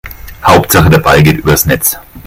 Hauptsache der Ball geht übers Netz.